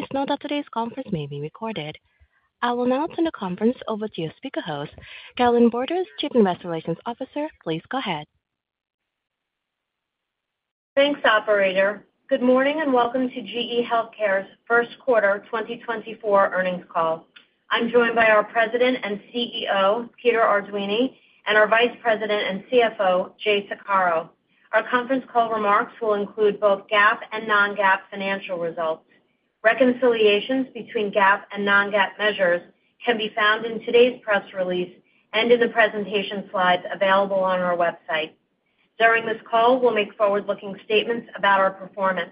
Please note that today's conference may be recorded. I will now turn the conference over to your speaker host, Carolynne Borders, Chief Investor Relations Officer. Please go ahead. Thanks, operator. Good morning, and welcome to GE HealthCare's first quarter 2024 earnings call. I'm joined by our President and CEO, Peter Arduini, and our Vice President and CFO, Jay Saccaro. Our conference call remarks will include both GAAP and non-GAAP financial results. Reconciliations between GAAP and non-GAAP measures can be found in today's press release and in the presentation slides available on our website. During this call, we'll make forward-looking statements about our performance.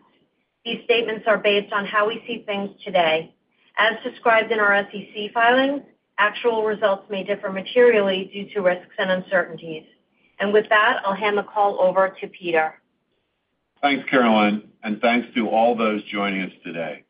These statements are based on how we see things today. As described in our SEC filing, actual results may differ materially due to risks and uncertainties. With that, I'll hand the call over to Peter. Thanks, Carolynne, and thanks to all those joining us today.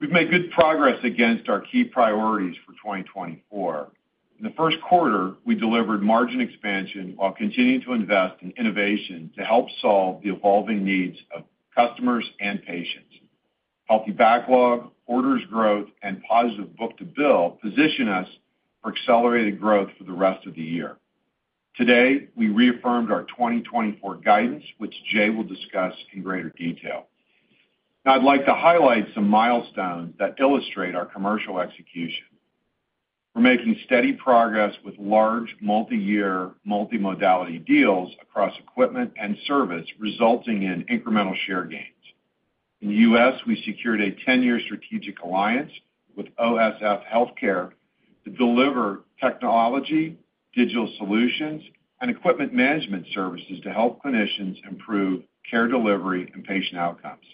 We've made good progress against our key priorities for 2024. In the first quarter, we delivered margin expansion while continuing to invest in innovation to help solve the evolving needs of customers and patients. Healthy backlog, orders growth, and positive book-to-bill position us for accelerated growth for the rest of the year. Today, we reaffirmed our 2024 guidance, which Jay will discuss in greater detail. Now, I'd like to highlight some milestones that illustrate our commercial execution. We're making steady progress with large, multi-year, multi-modality deals across equipment and service, resulting in incremental share gains. In the U.S., we secured a 10-year strategic alliance with OSF HealthCare to deliver technology, digital solutions, and equipment management services to help clinicians improve care delivery and patient outcomes.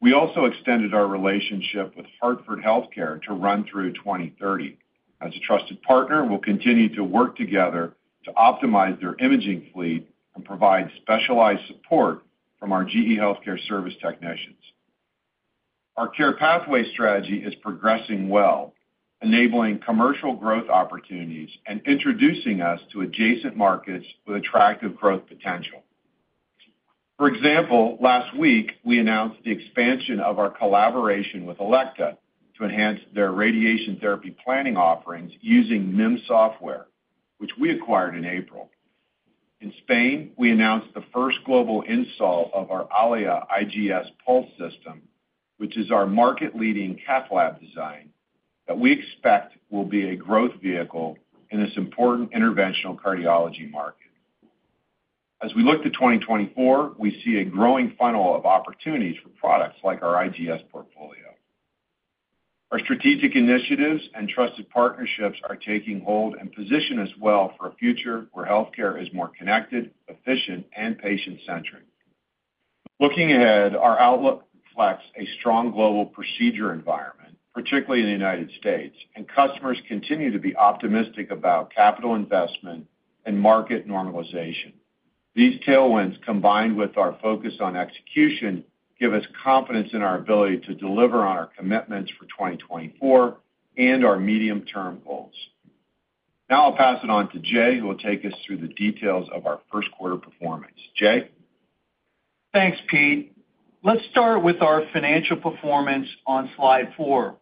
We also extended our relationship with Hartford HealthCare to run through 2030. As a trusted partner, we'll continue to work together to optimize their imaging fleet and provide specialized support from our GE HealthCare service technicians. Our care pathway strategy is progressing well, enabling commercial growth opportunities and introducing us to adjacent markets with attractive growth potential. For example, last week, we announced the expansion of our collaboration with Elekta to enhance their radiation therapy planning offerings using MIM Software, which we acquired in April. In Spain, we announced the first global install of our Allia IGS Pulse system, which is our market-leading cath lab design that we expect will be a growth vehicle in this important interventional cardiology market. As we look to 2024, we see a growing funnel of opportunities for products like our IGS portfolio. Our strategic initiatives and trusted partnerships are taking hold and position us well for a future where healthcare is more connected, efficient, and patient-centric. Looking ahead, our outlook reflects a strong global procedure environment, particularly in the United States, and customers continue to be optimistic about capital investment and market normalization. These tailwinds, combined with our focus on execution, give us confidence in our ability to deliver on our commitments for 2024 and our medium-term goals. Now I'll pass it on to Jay, who will take us through the details of our first quarter performance. Jay? Thanks, Pete. Let's start with our financial performance on slide four.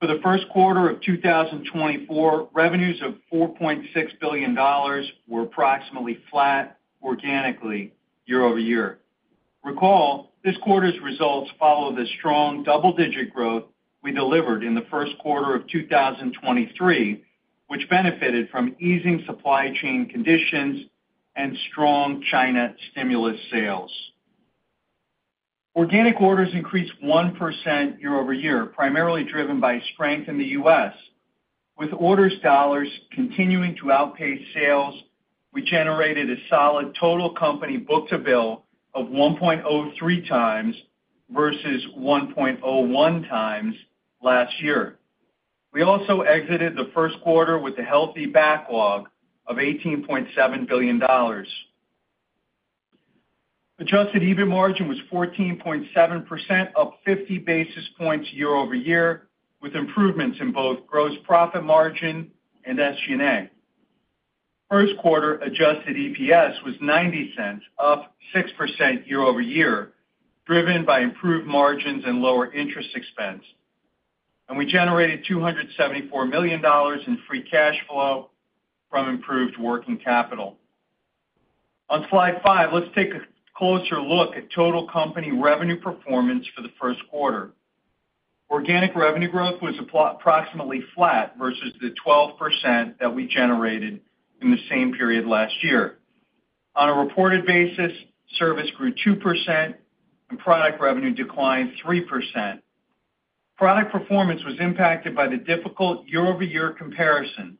For the first quarter of 2024, revenues of $4.6 billion were approximately flat organically year-over-year. Recall, this quarter's results follow the strong double-digit growth we delivered in the first quarter of 2023, which benefited from easing supply chain conditions and strong China stimulus sales. Organic orders increased 1% year-over-year, primarily driven by strength in the U.S. With orders dollars continuing to outpace sales, we generated a solid total company book-to-bill of 1.03x versus 1.01x last year. We also exited the first quarter with a healthy backlog of $18.7 billion. Adjusted EBIT margin was 14.7%, up 50 basis points year-over-year, with improvements in both gross profit margin and SG&A. First quarter adjusted EPS was $0.90, up 6% year-over-year, driven by improved margins and lower interest expense. We generated $274 million in free cash flow from improved working capital. On slide 5, let's take a closer look at total company revenue performance for the first quarter. Organic revenue growth was approximately flat versus the 12% that we generated in the same period last year. On a reported basis, service grew 2% and product revenue declined 3%. Product performance was impacted by the difficult year-over-year comparison.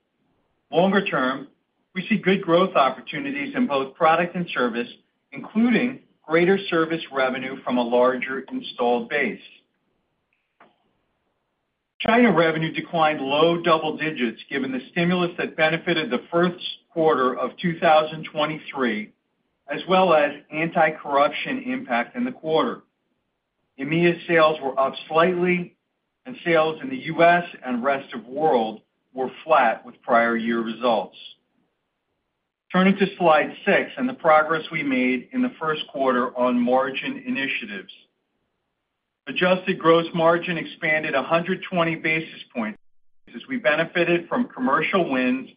Longer term, we see good growth opportunities in both product and service, including greater service revenue from a larger installed base. China revenue declined low double digits, given the stimulus that benefited the first quarter of 2023, as well as anti-corruption impact in the quarter. EMEA sales were up slightly, and sales in the US and rest of world were flat with prior year results. Turning to slide six and the progress we made in the first quarter on margin initiatives. Adjusted gross margin expanded 120 basis points as we benefited from commercial wins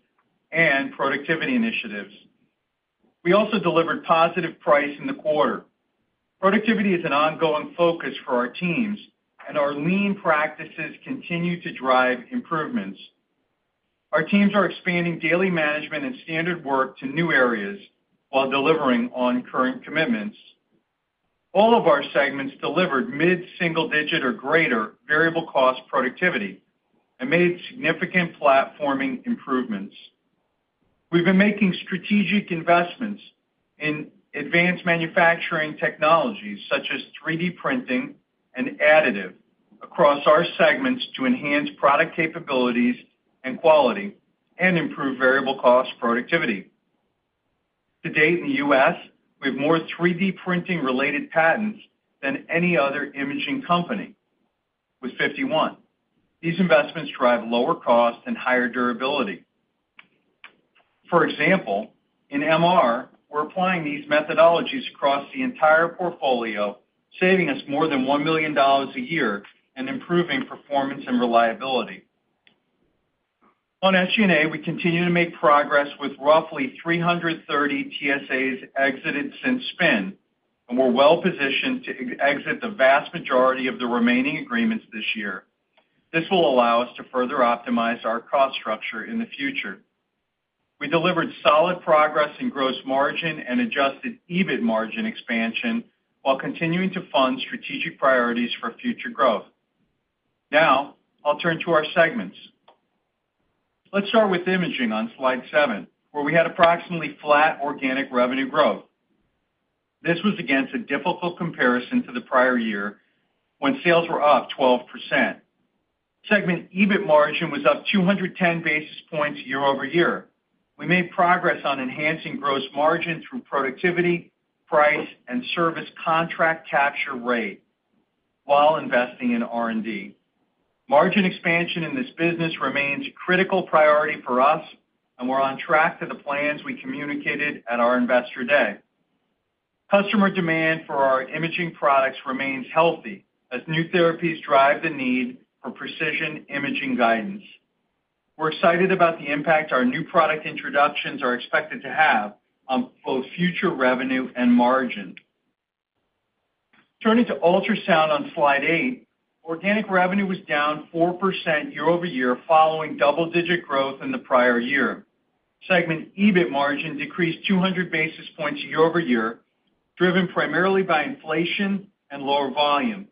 and productivity initiatives. We also delivered positive price in the quarter. Productivity is an ongoing focus for our teams, and our lean practices continue to drive improvements. Our teams are expanding daily management and standard work to new areas while delivering on current commitments. All of our segments delivered mid-single digit or greater variable cost productivity and made significant platforming improvements. We've been making strategic investments in advanced manufacturing technologies, such as 3D printing and additive, across our segments to enhance product capabilities and quality and improve variable cost productivity. To date, in the US, we have more 3D printing-related patents than any other imaging company, with 51. These investments drive lower cost and higher durability. For example, in MR, we're applying these methodologies across the entire portfolio, saving us more than $1 million a year and improving performance and reliability. On SG&A, we continue to make progress with roughly 330 TSAs exited since spin, and we're well positioned to exit the vast majority of the remaining agreements this year. This will allow us to further optimize our cost structure in the future. We delivered solid progress in gross margin and adjusted EBIT margin expansion, while continuing to fund strategic priorities for future growth. Now, I'll turn to our segments. Let's start with imaging on slide seven, where we had approximately flat organic revenue growth. This was against a difficult comparison to the prior year when sales were up 12%. Segment EBIT margin was up 210 basis points year-over-year. We made progress on enhancing gross margin through productivity, price, and service contract capture rate while investing in R&D. Margin expansion in this business remains a critical priority for us, and we're on track to the plans we communicated at our Investor Day. Customer demand for our imaging products remains healthy as new therapies drive the need for precision imaging guidance. We're excited about the impact our new product introductions are expected to have on both future revenue and margin. Turning to ultrasound on slide eight, organic revenue was down 4% year-over-year. Segment EBIT margin decreased 200 basis points year-over-year, driven primarily by inflation and lower volume.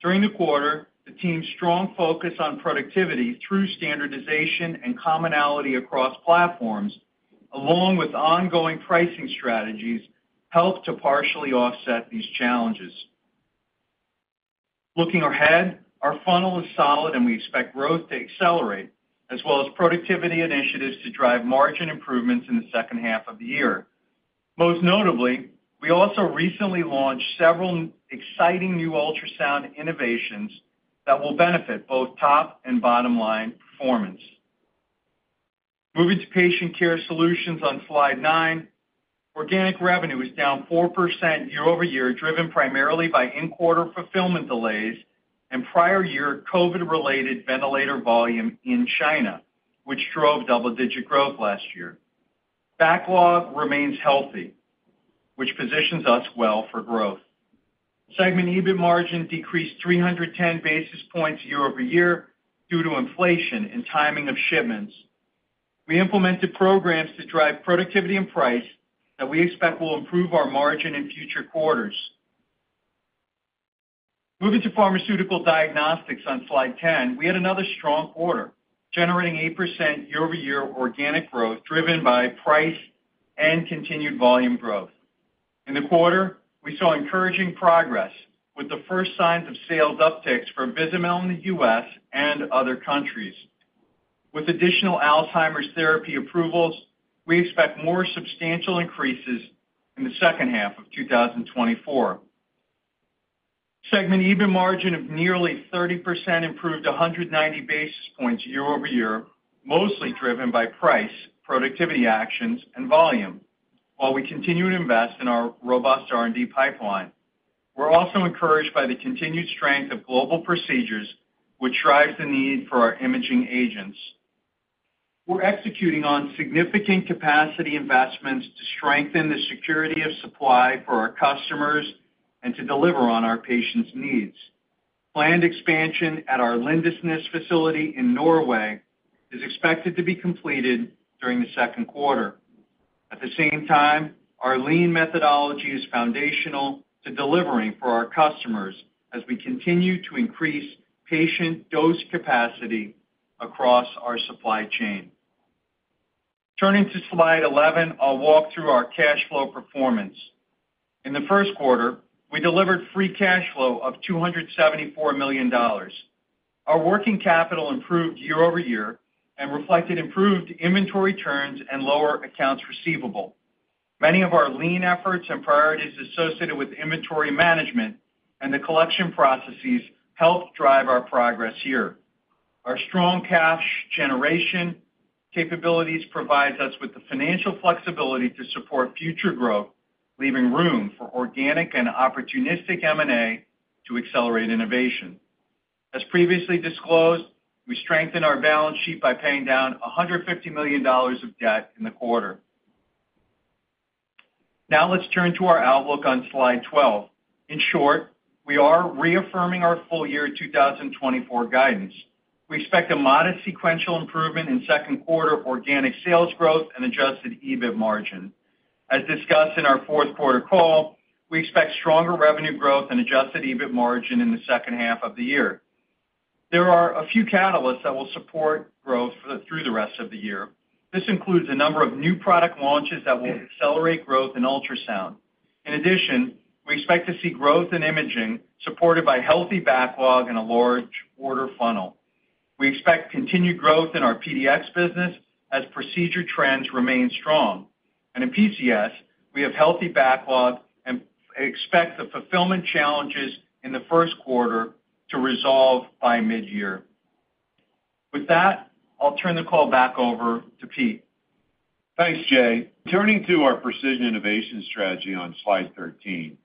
During the quarter, the team's strong focus on productivity through standardization and commonality across platforms, along with ongoing pricing strategies, helped to partially offset these challenges. Looking ahead, our funnel is solid, and we expect growth to accelerate, as well as productivity initiatives to drive margin improvements in the second half of the year. Most notably, we also recently launched several exciting new ultrasound innovations that will benefit both top and bottom line performance. Moving to patient care solutions on slide nine, organic revenue was down 4% year-over-year, driven primarily by in-quarter fulfillment delays and prior year COVID-related ventilator volume in China, which drove double-digit growth last year. Backlog remains healthy, which positions us well for growth. Segment EBIT margin decreased 310 basis points year-over-year due to inflation and timing of shipments. We implemented programs to drive productivity and price that we expect will improve our margin in future quarters. Moving to pharmaceutical diagnostics on slide 10, we had another strong quarter, generating 8% year-over-year organic growth, driven by price and continued volume growth. In the quarter, we saw encouraging progress, with the first signs of sales upticks for Vizamyl in the US and other countries. With additional Alzheimer's therapy approvals, we expect more substantial increases in the second half of 2024. Segment EBIT margin of nearly 30% improved 190 basis points year-over-year, mostly driven by price, productivity actions, and volume, while we continue to invest in our robust R&D pipeline. We're also encouraged by the continued strength of global procedures, which drives the need for our imaging agents. We're executing on significant capacity investments to strengthen the security of supply for our customers and to deliver on our patients' needs. Planned expansion at our Lindesnes facility in Norway is expected to be completed during the second quarter. At the same time, our Lean methodology is foundational to delivering for our customers as we continue to increase patient dose capacity across our supply chain. Turning to slide 11, I'll walk through our cash flow performance. In the first quarter, we delivered free cash flow of $274 million. Our working capital improved year-over-year and reflected improved inventory turns and lower accounts receivable. Many of our lean efforts and priorities associated with inventory management and the collection processes helped drive our progress here. Our strong cash generation capabilities provides us with the financial flexibility to support future growth, leaving room for organic and opportunistic M&A to accelerate innovation. As previously disclosed, we strengthened our balance sheet by paying down $150 million of debt in the quarter. Now, let's turn to our outlook on Slide 12. In short, we are reaffirming our full year 2024 guidance. We expect a modest sequential improvement in second quarter organic sales growth and adjusted EBIT margin. As discussed in our fourth quarter call, we expect stronger revenue growth and adjusted EBIT margin in the second half of the year. There are a few catalysts that will support growth through the rest of the year. This includes a number of new product launches that will accelerate growth in ultrasound. In addition, we expect to see growth in imaging, supported by healthy backlog and a large order funnel. We expect continued growth in our PDX business as procedure trends remain strong. And in PCS, we have healthy backlog and expect the fulfillment challenges in the first quarter to resolve by mid-year. With that, I'll turn the call back over to Pete. Thanks, Jay. Turning to our precision innovation strategy on Slide 13.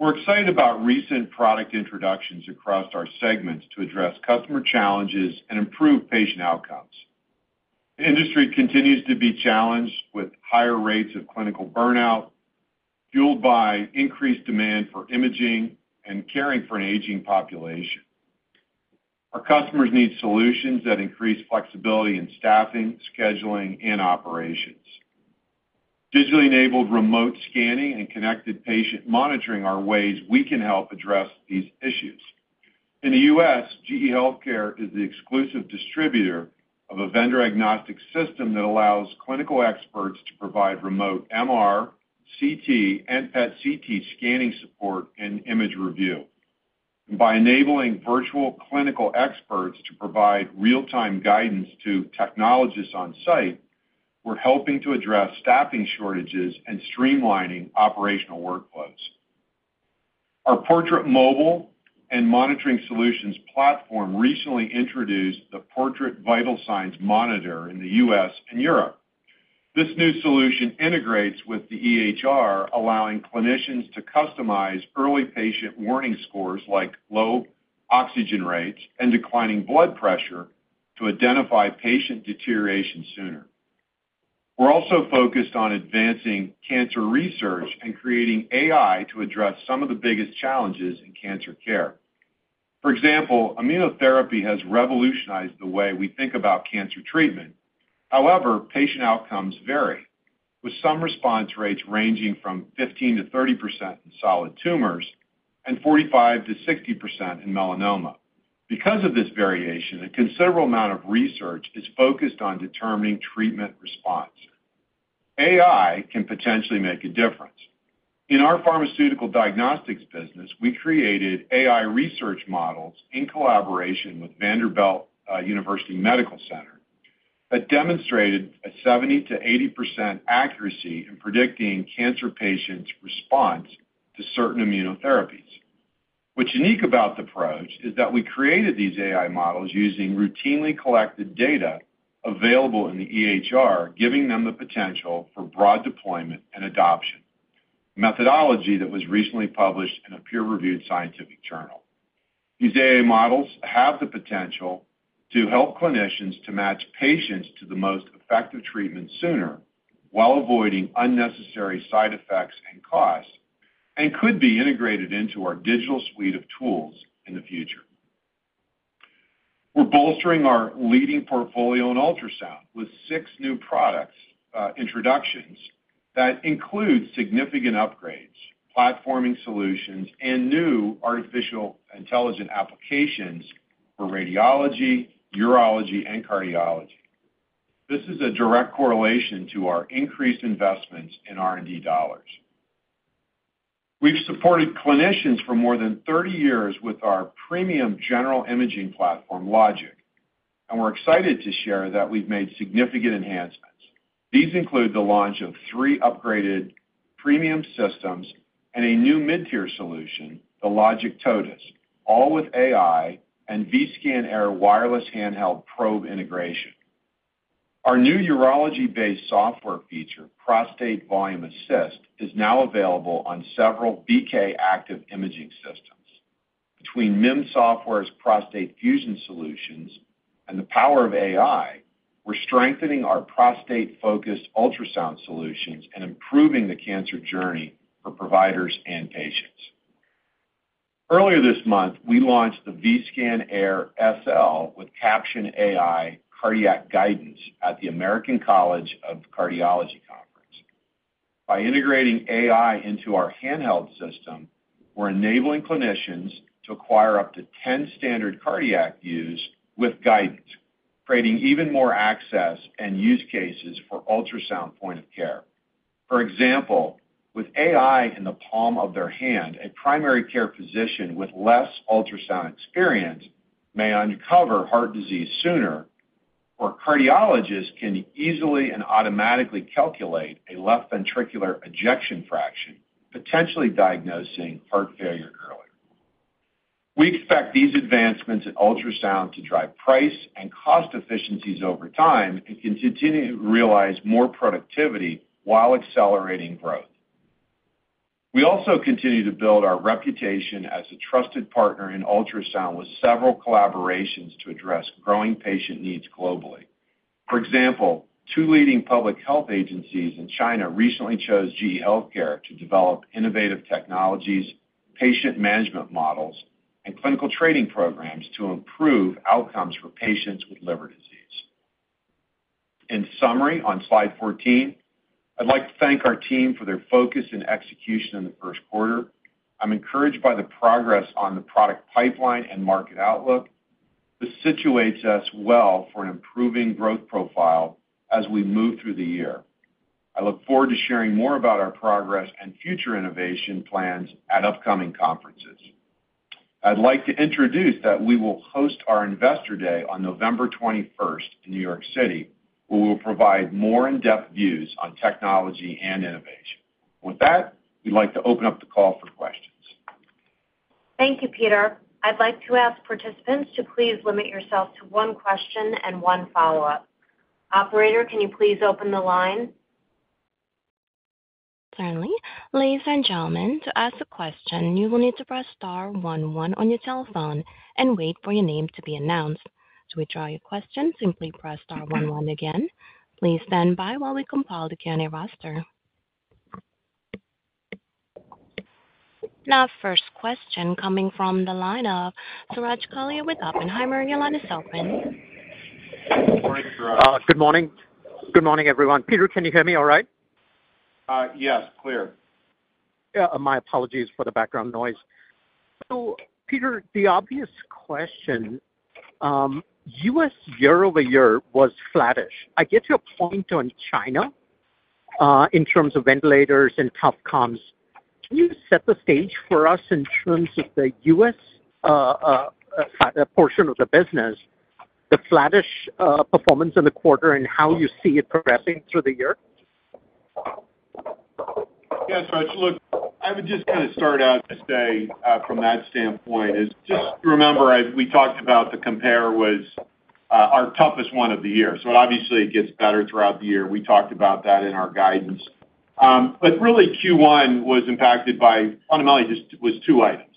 We're excited about recent product introductions across our segments to address customer challenges and improve patient outcomes. The industry continues to be challenged with higher rates of clinical burnout, fueled by increased demand for imaging and caring for an aging population. Our customers need solutions that increase flexibility in staffing, scheduling, and operations. Digitally enabled remote scanning and connected patient monitoring are ways we can help address these issues. In the U.S., GE HealthCare is the exclusive distributor of a vendor-agnostic system that allows clinical experts to provide remote MR, CT, and PET-CT scanning support and image review. By enabling virtual clinical experts to provide real-time guidance to technologists on site, we're helping to address staffing shortages and streamlining operational workflows. Our Portrait Mobile and Monitoring Solutions platform recently introduced the Portrait Vital Signs Monitor in the U.S. and Europe. This new solution integrates with the EHR, allowing clinicians to customize early patient warning scores, like low oxygen rates and declining blood pressure, to identify patient deterioration sooner. We're also focused on advancing cancer research and creating AI to address some of the biggest challenges in cancer care. For example, immunotherapy has revolutionized the way we think about cancer treatment. However, patient outcomes vary, with some response rates ranging from 15%-30% in solid tumors and 45%-60% in melanoma. Because of this variation, a considerable amount of research is focused on determining treatment response. AI can potentially make a difference. In our pharmaceutical diagnostics business, we created AI research models in collaboration with Vanderbilt University Medical Center, that demonstrated a 70%-80% accuracy in predicting cancer patients' response to certain immunotherapies. What's unique about the approach is that we created these AI models using routinely collected data available in the EHR, giving them the potential for broad deployment and adoption, a methodology that was recently published in a peer-reviewed scientific journal. These AI models have the potential to help clinicians to match patients to the most effective treatment sooner while avoiding unnecessary side effects and costs, and could be integrated into our digital suite of tools in the future. We're bolstering our leading portfolio in ultrasound with six new product introductions that include significant upgrades, platforming solutions, and new artificially intelligent applications for radiology, urology, and cardiology. This is a direct correlation to our increased investments in R&D dollars. We've supported clinicians for more than thirty years with our premium general imaging platform, LOGIQ, and we're excited to share that we've made significant enhancements. These include the launch of three upgraded premium systems and a new mid-tier solution, the LOGIQ Totus, all with AI and Vscan Air wireless handheld probe integration. Our new urology-based software feature, Prostate Volume Assist, is now available on several BK Active Imaging systems. Between MIM Software's prostate fusion solutions and the power of AI, we're strengthening our prostate-focused ultrasound solutions and improving the cancer journey for providers and patients. Earlier this month, we launched the Vscan Air SL with Caption AI cardiac guidance at the American College of Cardiology conference. By integrating AI into our handheld system, we're enabling clinicians to acquire up to 10 standard cardiac views with guidance, creating even more access and use cases for ultrasound point of care. For example, with AI in the palm of their hand, a primary care physician with less ultrasound experience may uncover heart disease sooner... or cardiologists can easily and automatically calculate a left ventricular ejection fraction, potentially diagnosing heart failure earlier. We expect these advancements in ultrasound to drive price and cost efficiencies over time, and continue to realize more productivity while accelerating growth. We also continue to build our reputation as a trusted partner in ultrasound, with several collaborations to address growing patient needs globally. For example, 2 leading public health agencies in China recently chose GE HealthCare to develop innovative technologies, patient management models, and clinical training programs to improve outcomes for patients with liver disease. In summary, on slide 14, I'd like to thank our team for their focus and execution in the first quarter. I'm encouraged by the progress on the product pipeline and market outlook. This situates us well for an improving growth profile as we move through the year. I look forward to sharing more about our progress and future innovation plans at upcoming conferences. I'd like to introduce that we will host our Investor Day on November 21st in New York City, where we'll provide more in-depth views on technology and innovation. With that, we'd like to open up the call for questions. Thank you, Peter. I'd like to ask participants to please limit yourselves to one question and one follow-up. Operator, can you please open the line? Certainly. Ladies and gentlemen, to ask a question, you will need to press star one one on your telephone and wait for your name to be announced. To withdraw your question, simply press star one one again. Please stand by while we compile the Q&A roster. Our first question coming from the line of Suraj Kalia with Oppenheimer. Your line is open. Good morning, Suraj. Good morning. Good morning, everyone. Peter, can you hear me all right? Yes, clear. Yeah, my apologies for the background noise. So, Peter, the obvious question, U.S. year-over-year was flattish. I get your point on China, in terms of ventilators and tough comps. Can you set the stage for us in terms of the U.S., portion of the business, the flattish performance in the quarter, and how you see it progressing through the year? Yeah, Suraj, look, I would just kind of start out to say, from that standpoint, is just remember, as we talked about, the compare was, our toughest one of the year, so obviously, it gets better throughout the year. We talked about that in our guidance. But really, Q1 was impacted by, fundamentally, just was two items.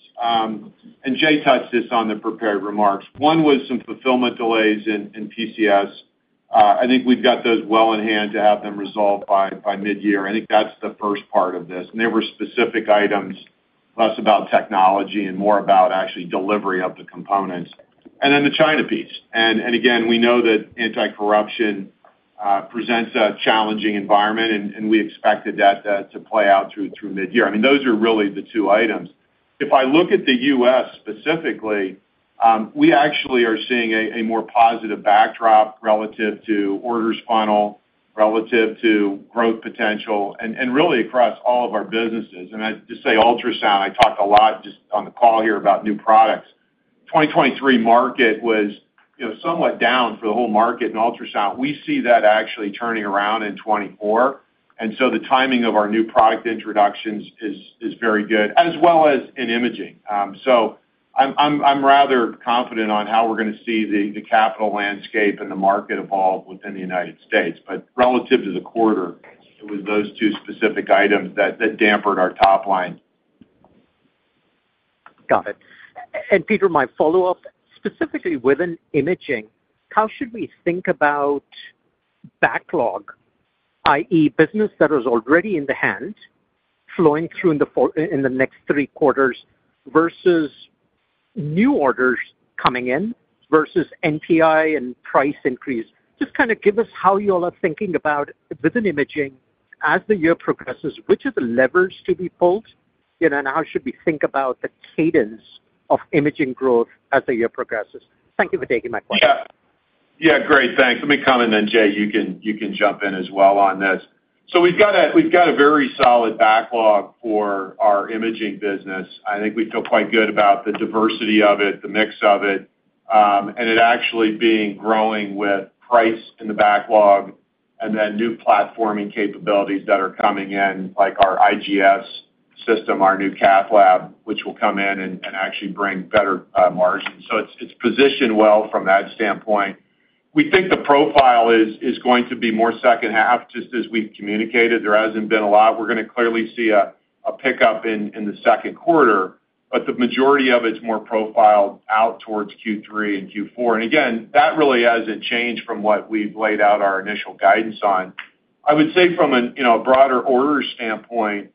And Jay touched this on the prepared remarks. One was some fulfillment delays in PCS. I think we've got those well in hand to have them resolved by midyear. I think that's the first part of this. And they were specific items, less about technology and more about actually delivery of the components. And then the China piece, and again, we know that anti-corruption presents a challenging environment, and we expected that to play out through midyear. I mean, those are really the two items. If I look at the U.S. specifically, we actually are seeing a more positive backdrop relative to orders funnel, relative to growth potential, and really across all of our businesses. And I just say, ultrasound, I talked a lot just on the call here about new products. 2023 market was, you know, somewhat down for the whole market in ultrasound. We see that actually turning around in 2024, and so the timing of our new product introductions is very good, as well as in imaging. So I'm rather confident on how we're going to see the capital landscape and the market evolve within the United States. But relative to the quarter, it was those two specific items that dampened our top line. Got it. And Peter, my follow-up, specifically within imaging, how should we think about backlog, i.e., business that is already in the hand, flowing through in the next three quarters, versus new orders coming in, versus NPI and price increase? Just kind of give us how you all are thinking about, within imaging as the year progresses, which are the levers to be pulled, you know, and how should we think about the cadence of imaging growth as the year progresses? Thank you for taking my question. Yeah. Yeah, great, thanks. Let me comment, and then, Jay, you can, you can jump in as well on this. So we've got a, we've got a very solid backlog for our imaging business. I think we feel quite good about the diversity of it, the mix of it, and it actually being growing with price in the backlog, and then new platforming capabilities that are coming in, like our IGS system, our new cath lab, which will come in and, and actually bring better margins. So it's, it's positioned well from that standpoint. We think the profile is, is going to be more second half, just as we've communicated. There hasn't been a lot. We're going to clearly see a, a pickup in, in the second quarter, but the majority of it's more profiled out towards Q3 and Q4. Again, that really hasn't changed from what we've laid out our initial guidance on. I would say from a you know a broader order standpoint,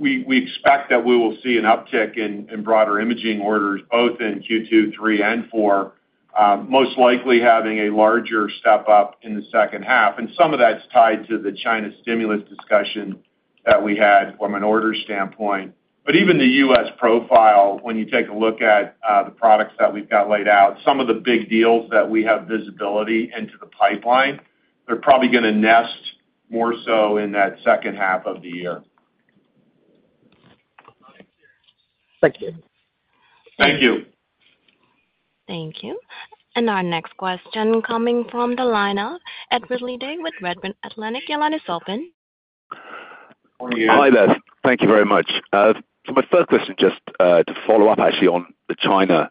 we expect that we will see an uptick in broader imaging orders, both in Q2, 3 and 4, most likely having a larger step up in the second half, and some of that's tied to the China stimulus discussion that we had from an order standpoint. But even the U.S. profile, when you take a look at the products that we've got laid out, some of the big deals that we have visibility into the pipeline, they're probably going to nest more so in that second half of the year.... Thank you. Thank you. Our next question coming from the line of Ed Ridley Day with Redburn Atlantic. Your line is open. Hi there. Thank you very much. So my first question, just, to follow up actually on the China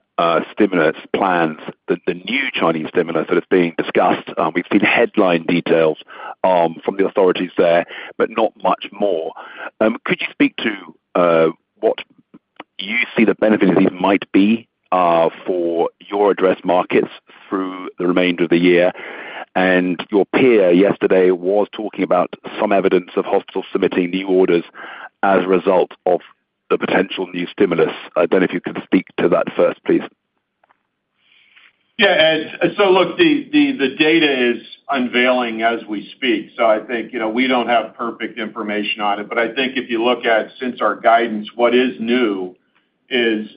stimulus plans, the new Chinese stimulus that is being discussed. We've seen headline details from the authorities there, but not much more. Could you speak to what you see the benefits of these might be for your address markets through the remainder of the year? And your peer yesterday was talking about some evidence of hospitals submitting new orders as a result of the potential new stimulus. I don't know if you could speak to that first, please. Yeah, Ed, so look, the data is unveiling as we speak, so I think, you know, we don't have perfect information on it. But I think if you look at since our guidance, what is new is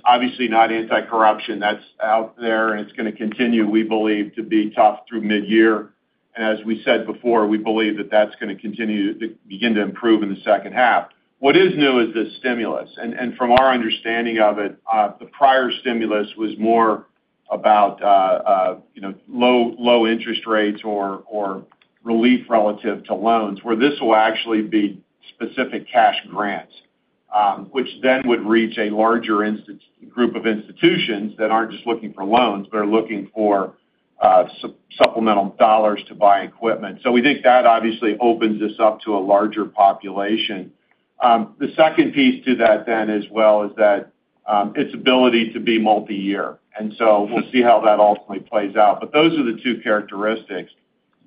obviously not anti-corruption. That's out there, and it's gonna continue, we believe, to be tough through midyear. And as we said before, we believe that that's gonna continue to begin to improve in the second half. What is new is the stimulus, and from our understanding of it, the prior stimulus was more about, you know, low interest rates or relief relative to loans, where this will actually be specific cash grants, which then would reach a larger group of institutions that aren't just looking for loans, but are looking for supplemental dollars to buy equipment. So we think that obviously opens this up to a larger population. The second piece to that then as well is that, its ability to be multi-year, and so we'll see how that ultimately plays out. But those are the two characteristics.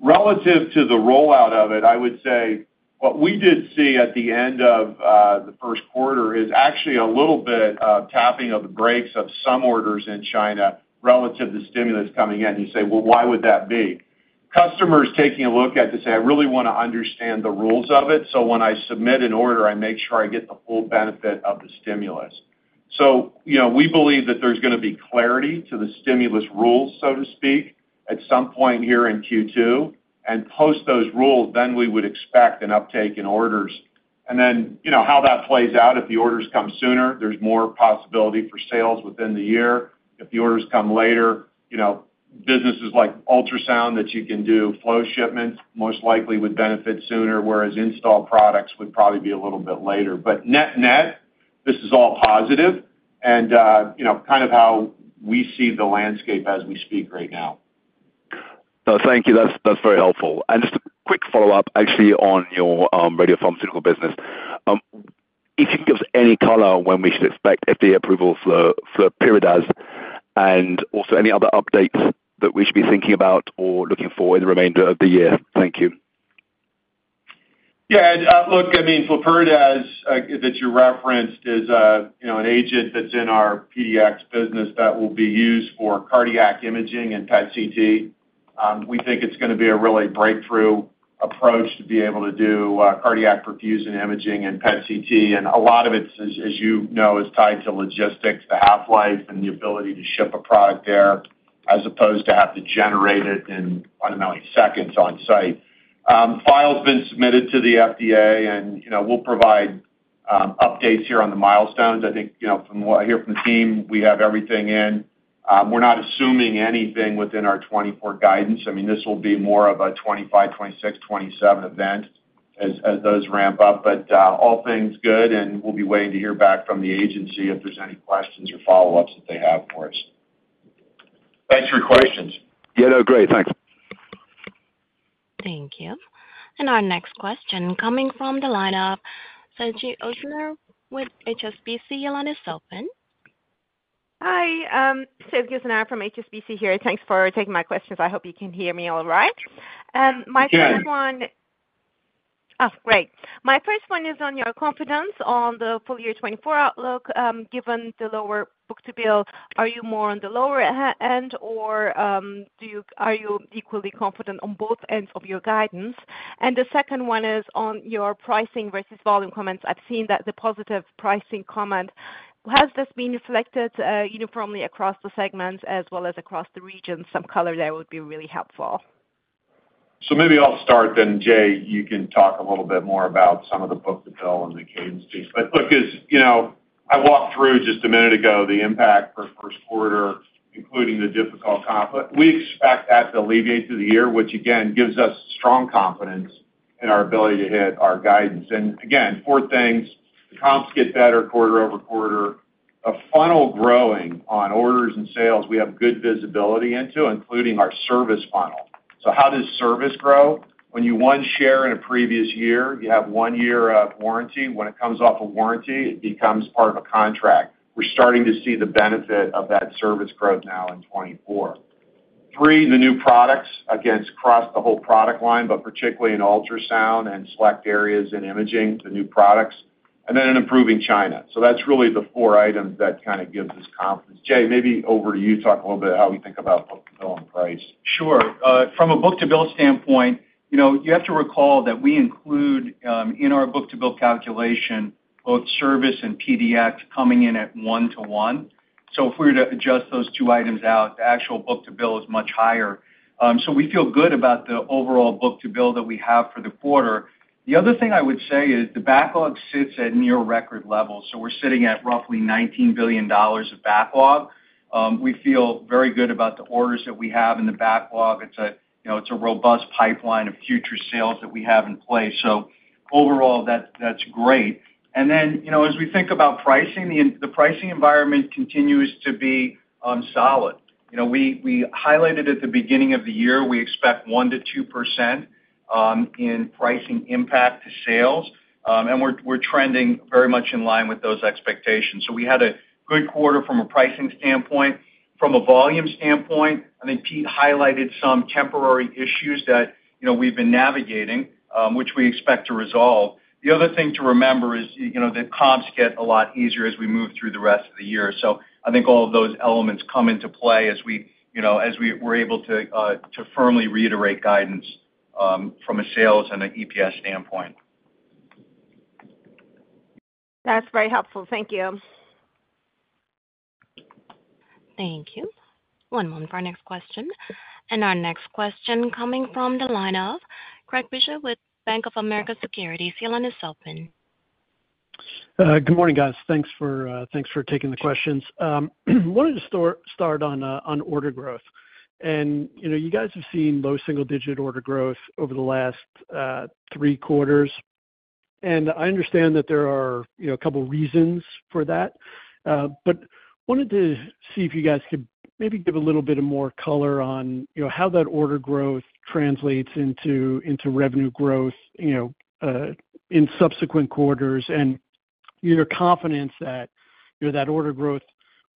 Relative to the rollout of it, I would say what we did see at the end of, the first quarter is actually a little bit of tapping of the brakes of some orders in China relative to stimulus coming in. You say, "Well, why would that be?" Customers taking a look at this say, "I really wanna understand the rules of it, so when I submit an order, I make sure I get the full benefit of the stimulus." So, you know, we believe that there's gonna be clarity to the stimulus rules, so to speak, at some point here in Q2, and post those rules, then we would expect an uptake in orders. And then, you know, how that plays out, if the orders come sooner, there's more possibility for sales within the year. If the orders come later, you know, businesses like ultrasound, that you can do flow shipments, most likely would benefit sooner, whereas install products would probably be a little bit later. But net, net, this is all positive, and, you know, kind of how we see the landscape as we speak right now. Thank you. That's very helpful. Just a quick follow-up, actually, on your radiopharmaceutical business. If you can give us any color on when we should expect FDA approval for Flurpiridaz, and also any other updates that we should be thinking about or looking for in the remainder of the year? Thank you. Yeah, Ed, look, I mean, Flurpiridaz, that you referenced is, you know, an agent that's in our PDX business that will be used for cardiac imaging and PET/CT. We think it's gonna be a really breakthrough approach to be able to do, cardiac perfusion imaging and PET/CT, and a lot of it, as, as you know, is tied to logistics, the half-life, and the ability to ship a product there, as opposed to have to generate it in, I don't know, seconds on site. File's been submitted to the FDA, and, you know, we'll provide, updates here on the milestones. I think, you know, from what I hear from the team, we have everything in. We're not assuming anything within our 2024 guidance. I mean, this will be more of a 2025, 2026, 2027 event as, as those ramp up. But, all things good, and we'll be waiting to hear back from the agency if there's any questions or follow-ups that they have for us. Thanks for your questions. Yeah, no, great. Thanks. Thank you. And our next question coming from the line of Sezgi Ozener with HSBC. Your line is open. Hi, Sezgi Ozener from HSBC here. Thanks for taking my questions. I hope you can hear me all right. My first one- We can. Oh, great. My first one is on your confidence on the full year 2024 outlook. Given the lower book-to-bill, are you more on the lower end, or are you equally confident on both ends of your guidance? And the second one is on your pricing versus volume comments. I've seen that the positive pricing comment. Has this been reflected uniformly across the segments as well as across the region? Some color there would be really helpful. So maybe I'll start then, Jay, you can talk a little bit more about some of the book-to-bill and the cadence piece. But look, as you know, I walked through just a minute ago the impact for first quarter, including the difficult comp. But we expect that to alleviate through the year, which again, gives us strong confidence in our ability to hit our guidance. And again, four things: comps get better quarter-over-quarter, a funnel growing on orders and sales we have good visibility into, including our service funnel. So how does service grow? When you won share in a previous year, you have one year of warranty. When it comes off a warranty, it becomes part of a contract. We're starting to see the benefit of that service growth now in 2024. 3, the new products, again, it's across the whole product line, but particularly in ultrasound and select areas in imaging, the new products, and then in improving China. So that's really the 4 items that kind of gives us confidence. Jay, maybe over to you, talk a little bit how we think about book-to-bill and price. Sure. From a book-to-bill standpoint, you know, you have to recall that we include, in our book-to-bill calculation, both service and PDX coming in at 1 to 1.... So if we were to adjust those two items out, the actual book-to-bill is much higher. So we feel good about the overall book-to-bill that we have for the quarter. The other thing I would say is the backlog sits at near record levels, so we're sitting at roughly $19 billion of backlog. We feel very good about the orders that we have in the backlog. It's a, you know, it's a robust pipeline of future sales that we have in place. So overall, that's, that's great. And then, you know, as we think about pricing, the pricing environment continues to be solid. You know, we, we highlighted at the beginning of the year, we expect 1%-2% in pricing impact to sales, and we're, we're trending very much in line with those expectations. So we had a good quarter from a pricing standpoint. From a volume standpoint, I think Pete highlighted some temporary issues that, you know, we've been navigating, which we expect to resolve. The other thing to remember is, you know, the comps get a lot easier as we move through the rest of the year. So I think all of those elements come into play as we, you know, we're able to firmly reiterate guidance from a sales and an EPS standpoint. That's very helpful. Thank you. Thank you. One moment for our next question. Our next question coming from the line of Craig Bijou with Bank of America Securities. Your line is open. Good morning, guys. Thanks for taking the questions. Wanted to start on order growth. You know, you guys have seen low single digit order growth over the last three quarters. I understand that there are, you know, a couple reasons for that, but wanted to see if you guys could maybe give a little bit of more color on, you know, how that order growth translates into revenue growth, you know, in subsequent quarters, and your confidence that, you know, that order growth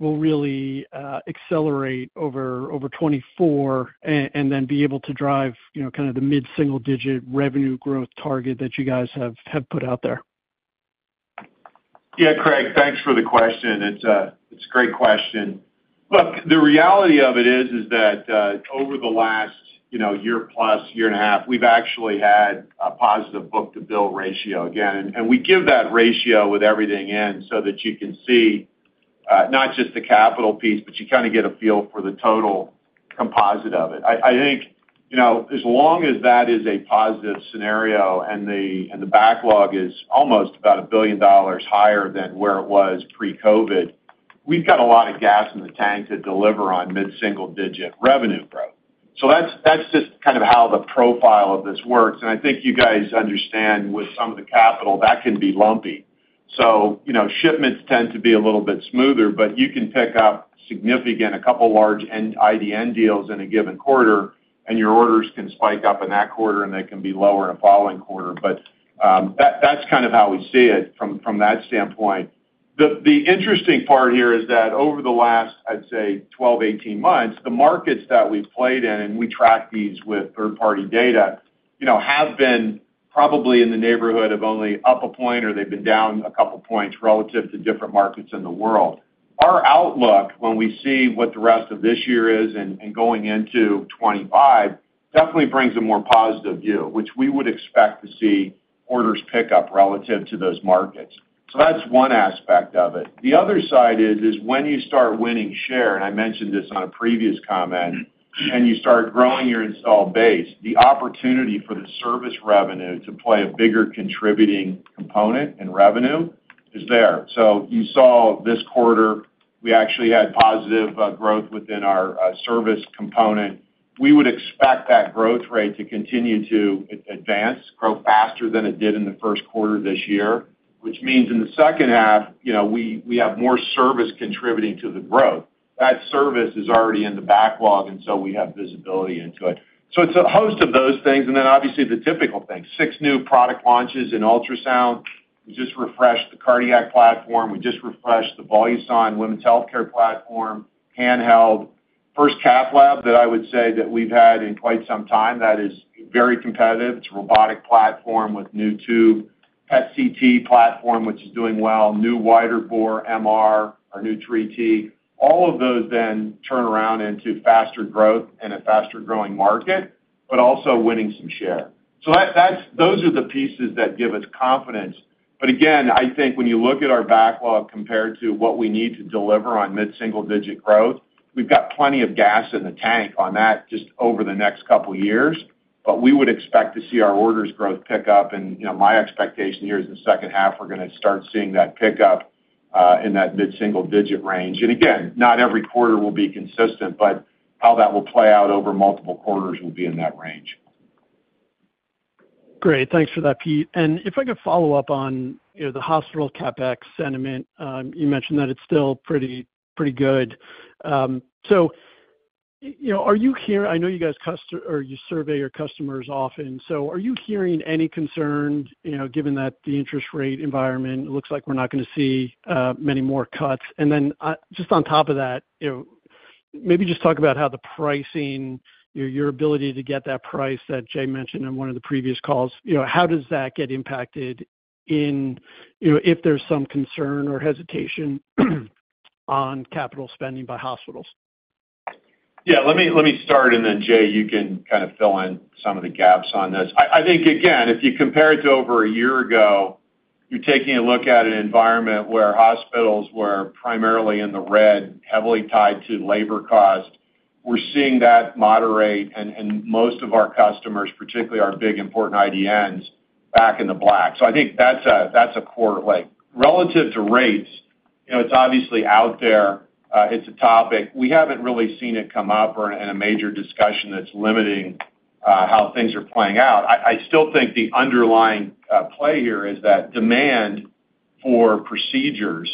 will really accelerate over 2024, and then be able to drive, you know, kind of the mid-single digit revenue growth target that you guys have put out there. Yeah, Craig, thanks for the question. It's a, it's a great question. Look, the reality of it is, is that, over the last, you know, year-plus, year and a half, we've actually had a positive book-to-bill ratio again, and we give that ratio with everything in, so that you can see, not just the capital piece, but you kind of get a feel for the total composite of it. I, I think, you know, as long as that is a positive scenario and the, and the backlog is almost about $1 billion higher than where it was pre-COVID, we've got a lot of gas in the tank to deliver on mid-single digit revenue growth. So that's, that's just kind of how the profile of this works, and I think you guys understand with some of the capital, that can be lumpy. So, you know, shipments tend to be a little bit smoother, but you can pick up significant, a couple large end IDN deals in a given quarter, and your orders can spike up in that quarter, and they can be lower in the following quarter. But, that's kind of how we see it from, from that standpoint. The interesting part here is that over the last, I'd say, 12, 18 months, the markets that we've played in, and we track these with third-party data, you know, have been probably in the neighborhood of only up a point, or they've been down a couple points relative to different markets in the world. Our outlook, when we see what the rest of this year is and going into 2025, definitely brings a more positive view, which we would expect to see orders pick up relative to those markets. So that's one aspect of it. The other side is, is when you start winning share, and I mentioned this on a previous comment, and you start growing your installed base, the opportunity for the service revenue to play a bigger contributing component in revenue is there. So you saw this quarter, we actually had positive growth within our service component. We would expect that growth rate to continue to advance, grow faster than it did in the first quarter this year, which means in the second half, you know, we, we have more service contributing to the growth. That service is already in the backlog, and so we have visibility into it. So it's a host of those things, and then obviously, the typical things. Six new product launches in ultrasound. We just refreshed the cardiac platform. We just refreshed the Voluson women's healthcare platform, handheld. First cath lab that I would say that we've had in quite some time that is very competitive. It's a robotic platform with new tube. PET/CT platform, which is doing well, new wider bore MR, our new 3T. All of those then turn around into faster growth and a faster growing market, but also winning some share. So that, that's those are the pieces that give us confidence. But again, I think when you look at our backlog compared to what we need to deliver on mid-single digit growth, we've got plenty of gas in the tank on that just over the next couple years, but we would expect to see our orders growth pick up. And, you know, my expectation here is the second half, we're going to start seeing that pick up in that mid-single digit range. And again, not every quarter will be consistent, but how that will play out over multiple quarters will be in that range. Great. Thanks for that, Pete. And if I could follow up on, you know, the hospital CapEx sentiment. You mentioned that it's still pretty, pretty good. So, you know, I know you guys customer surveys or you survey your customers often, so are you hearing any concern, you know, given that the interest rate environment? It looks like we're not gonna see many more cuts? And then, just on top of that, you know, maybe just talk about how the pricing, you know, your ability to get that price that Jay mentioned on one of the previous calls, you know, how does that get impacted if there's some concern or hesitation on capital spending by hospitals? ... Yeah, let me, let me start and then, Jay, you can kind of fill in some of the gaps on this. I, I think, again, if you compare it to over a year ago, you're taking a look at an environment where hospitals were primarily in the red, heavily tied to labor cost. We're seeing that moderate and, and most of our customers, particularly our big important IDNs, back in the black. So I think that's a, that's a quarter like. Relative to rates, you know, it's obviously out there, it's a topic. We haven't really seen it come up or in a major discussion that's limiting, how things are playing out. I, I still think the underlying, play here is that demand for procedures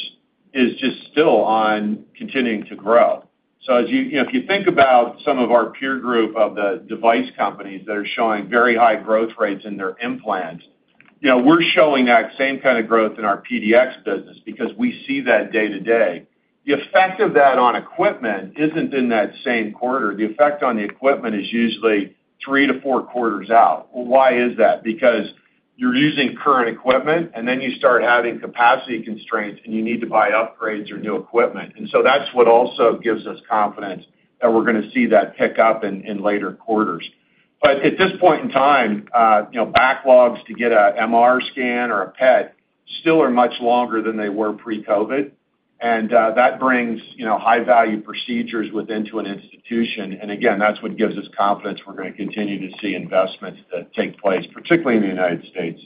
is just still on continuing to grow. So as you know, if you think about some of our peer group of the device companies that are showing very high growth rates in their implants, you know, we're showing that same kind of growth in our PDX business because we see that day to day. The effect of that on equipment isn't in that same quarter. The effect on the equipment is usually three to four quarters out. Well, why is that? Because you're using current equipment, and then you start having capacity constraints, and you need to buy upgrades or new equipment. And so that's what also gives us confidence that we're going to see that pick up in later quarters. But at this point in time, you know, backlogs to get a MR scan or a PET still are much longer than they were pre-COVID. That brings, you know, high value procedures within to an institution. And again, that's what gives us confidence we're going to continue to see investments that take place, particularly in the United States.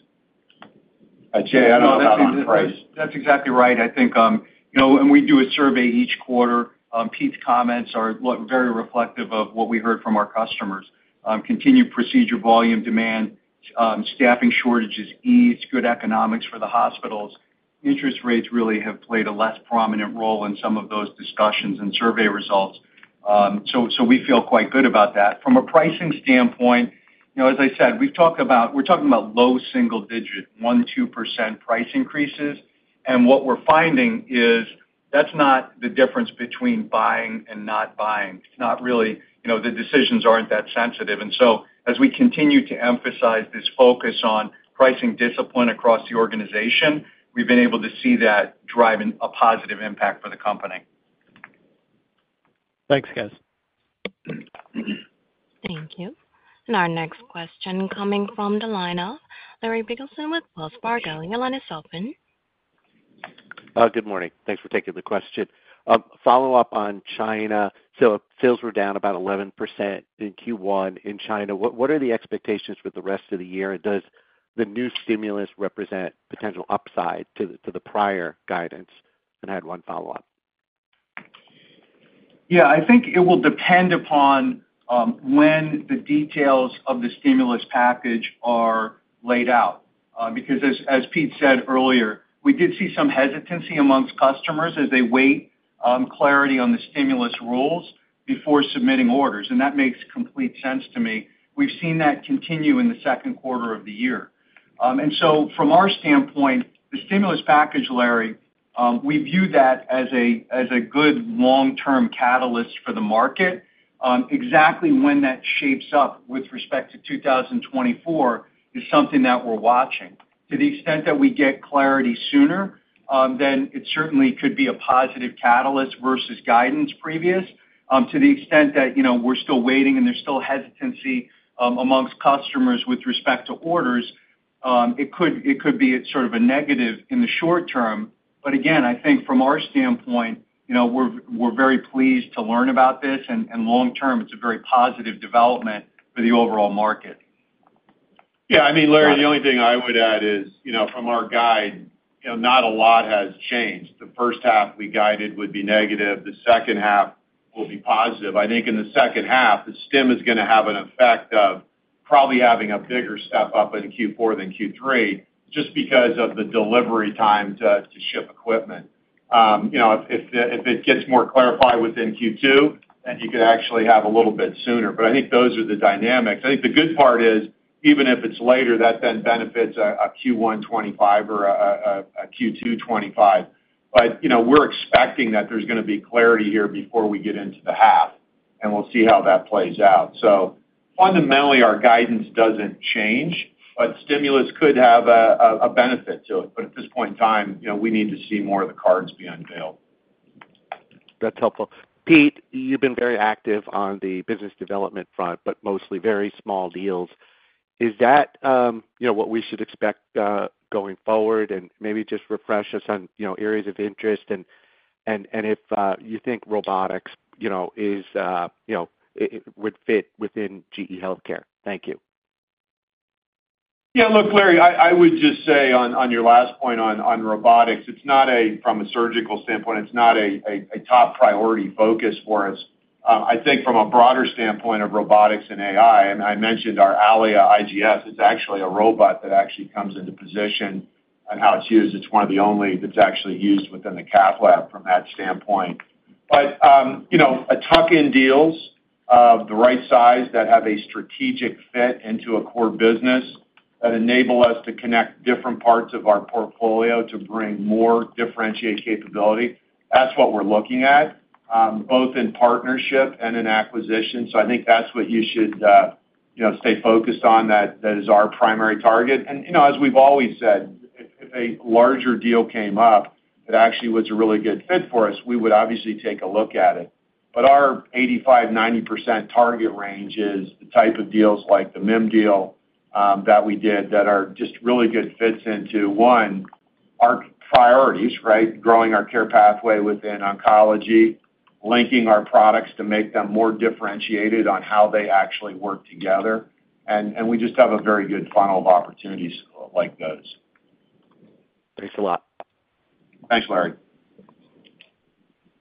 Jay, I don't know about on price. No, that's, that's exactly right. I think, you know, and we do a survey each quarter. Pete's comments are, look, very reflective of what we heard from our customers. Continued procedure volume demand, staffing shortages, ease, good economics for the hospitals. Interest rates really have played a less prominent role in some of those discussions and survey results. So, so we feel quite good about that. From a pricing standpoint, you know, as I said, we've talked about—we're talking about low single digit, 1%-2% price increases. And what we're finding is that's not the difference between buying and not buying. It's not really, you know, the decisions aren't that sensitive. And so as we continue to emphasize this focus on pricing discipline across the organization, we've been able to see that driving a positive impact for the company. Thanks, guys. Thank you. Our next question coming from the line of Larry Biegelsen with Wells Fargo. Your line is open. Good morning. Thanks for taking the question. Follow up on China. So sales were down about 11% in Q1 in China. What are the expectations for the rest of the year? And does the new stimulus represent potential upside to the prior guidance? And I had one follow-up. Yeah, I think it will depend upon when the details of the stimulus package are laid out. Because as Pete said earlier, we did see some hesitancy among customers as they wait clarity on the stimulus rules before submitting orders, and that makes complete sense to me. We've seen that continue in the second quarter of the year. And so from our standpoint, the stimulus package, Larry, we view that as a good long-term catalyst for the market. Exactly when that shapes up with respect to 2024 is something that we're watching. To the extent that we get clarity sooner, then it certainly could be a positive catalyst versus guidance previous. To the extent that, you know, we're still waiting, and there's still hesitancy, among customers with respect to orders, it could, it could be a sort of a negative in the short term. But again, I think from our standpoint, you know, we're, we're very pleased to learn about this, and, and long term, it's a very positive development for the overall market. Yeah, I mean, Larry, the only thing I would add is, you know, from our guide, you know, not a lot has changed. The first half we guided would be negative. The second half will be positive. I think in the second half, the stim is going to have an effect of probably having a bigger step up in Q4 than Q3, just because of the delivery time to ship equipment. You know, if it gets more clarified within Q2, then you could actually have a little bit sooner. But I think those are the dynamics. I think the good part is, even if it's later, that then benefits a Q1 2025 or a Q2 2025. But, you know, we're expecting that there's going to be clarity here before we get into the half, and we'll see how that plays out. So fundamentally, our guidance doesn't change, but stimulus could have a benefit to it. But at this point in time, you know, we need to see more of the cards be unveiled. That's helpful. Pete, you've been very active on the business development front, but mostly very small deals. Is that, you know, what we should expect going forward? And maybe just refresh us on, you know, areas of interest and if you think robotics, you know, is, you know, it would fit within GE HealthCare. Thank you. Yeah, look, Larry, I, I would just say on, on your last point on, on robotics, it's not a, from a surgical standpoint, it's not a, a, a top priority focus for us. I think from a broader standpoint of robotics and AI, and I mentioned our Allia IGS, is actually a robot that actually comes into position on how it's used. It's one of the only that's actually used within the cath lab from that standpoint. But, you know, a tuck-in deals of the right size that have a strategic fit into a core business that enable us to connect different parts of our portfolio to bring more differentiated capability, that's what we're looking at, both in partnership and in acquisition. So I think that's what you should, you know, stay focused on. That, that is our primary target. You know, as we've always said. If a larger deal came up that actually was a really good fit for us, we would obviously take a look at it. But our 85%-90% target range is the type of deals like the MIM deal that we did that are just really good fits into, one, our priorities, right? Growing our care pathway within oncology, linking our products to make them more differentiated on how they actually work together, and we just have a very good funnel of opportunities like those. Thanks a lot. Thanks, Larry.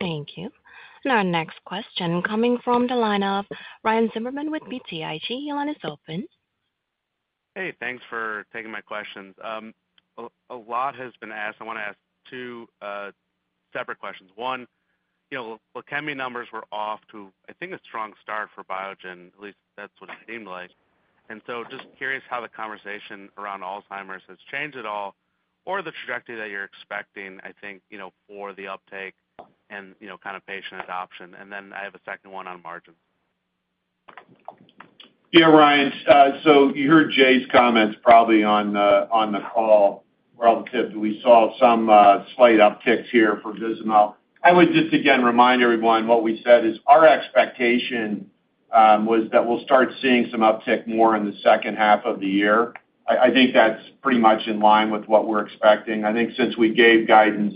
Thank you. Our next question coming from the line of Ryan Zimmerman with BTIG. Your line is open. Hey, thanks for taking my questions. A lot has been asked. I want to ask two separate questions. One, you know, Leqembi numbers were off to, I think, a strong start for Biogen, at least that's what it seemed like. And so just curious how the conversation around Alzheimer's has changed at all, or the trajectory that you're expecting, I think, you know, for the uptake and, you know, kind of patient adoption. And then I have a second one on margin. Yeah, Ryan, so you heard Jay's comments probably on the, on the call, relative to we saw some, slight upticks here for Vizamyl. I would just again remind everyone, what we said is our expectation, was that we'll start seeing some uptick more in the second half of the year. I, I think that's pretty much in line with what we're expecting. I think since we gave guidance,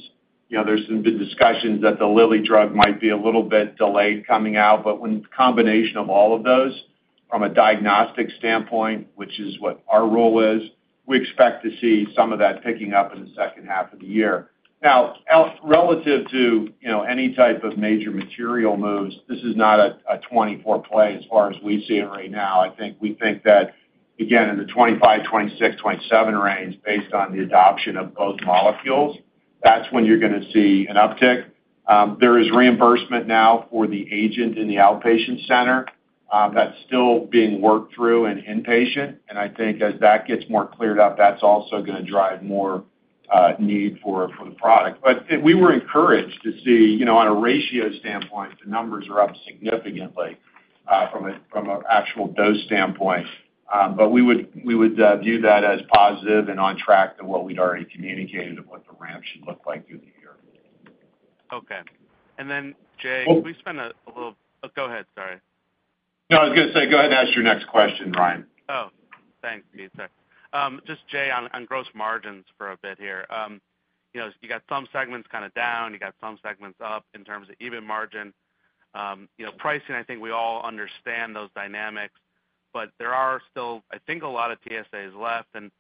you know, there's been discussions that the Lilly drug might be a little bit delayed coming out. But when the combination of all of those from a diagnostic standpoint, which is what our role is, we expect to see some of that picking up in the second half of the year. Now, relative to, you know, any type of major material moves, this is not a, a 24 play as far as we see it right now. I think we think that, again, in the 2025, 2026, 2027 range, based on the adoption of both molecules, that's when you're going to see an uptick. There is reimbursement now for the agent in the outpatient center, that's still being worked through in inpatient, and I think as that gets more cleared up, that's also going to drive more, need for, for the product. But we were encouraged to see, you know, on a ratio standpoint, the numbers are up significantly, from a, from an actual dose standpoint. But we would, we would, view that as positive and on track to what we'd already communicated of what the ramp should look like through the year. Okay. And then, Jay, could we spend a, a little... Oh, go ahead, sorry. No, I was going to say, go ahead and ask your next question, Ryan. Oh, thanks, Pete. Sorry. Just Jay, on gross margins for a bit here. You know, you got some segments kind of down, you got some segments up in terms of EBIT margin. You know, pricing, I think we all understand those dynamics, but there are still, I think, a lot of TSAs left, and,